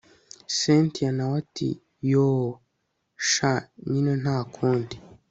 cyntia nawe ati yoooh! sha nyine ntakundi